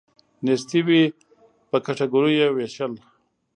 نیستي وی په کټګوریو یې ویشل.